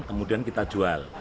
kemudian kita jual